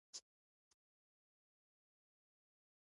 خاونده دا به دې رضا وي چې نور دې ګل کړل زه غوټۍ ورژېدمه